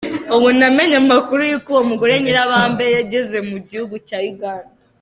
Ubu namenye amakuru y’uko uwo mugore Nyiribambe yageze mu gihugu cya Uganda”.